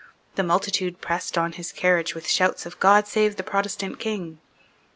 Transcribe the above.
The multitude pressed on his carriage with shouts of "God save the Protestant King."